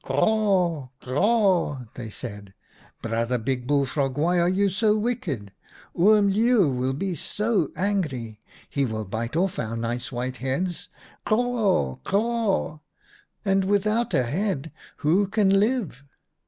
"' Craw, craw !' they said, * Brother Big Bullfrog, why are you so wicked ? Oom Leeuw will be so angry. He will bite off our nice white heads — craw, craw !— and without a head, who can live